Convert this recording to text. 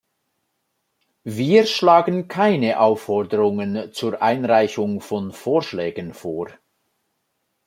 Wir schlagen keine Aufforderungen zur Einreichung von Vorschlägen vor.